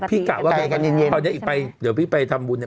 พี่กะว่าเกไก่กันเย็นเย็นเดี๋ยวพี่ไปทำบุญอ่ะ